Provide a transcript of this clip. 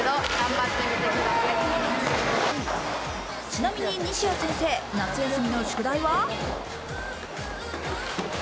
ちなみに西矢先生、夏休みの宿題は？